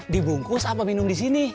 dibungkus apa minum di sini